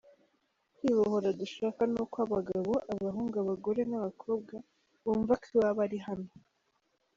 Kwibohora dushaka ni uko abagabo, abahungu, abagore n’abakobwa bumva ko iwabo ari hano.